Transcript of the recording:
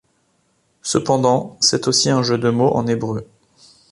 Cependant c'est aussi un jeu de mot en hébreu.